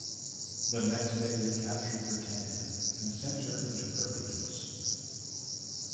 The next day recaptured "Britannia" and sent her into Barbados.